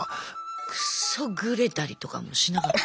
くっそグレたりとかもしなかった？